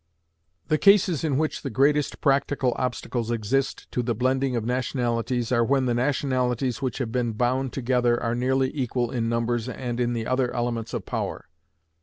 The cases in which the greatest practical obstacles exist to the blending of nationalities are when the nationalities which have been bound together are nearly equal in numbers and in the other elements of power.